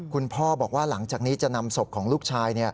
คุณพ่อบอกว่าหลังจากนี้จะนำศพของลูกชาย